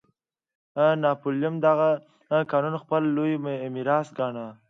ناپلیون دغه قانون خپل لوی میراث ګاڼه.